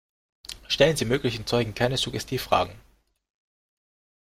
Stellen Sie möglichen Zeugen keine Suggestivfragen.